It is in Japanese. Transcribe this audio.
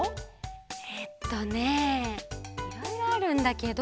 えっとねいろいろあるんだけど。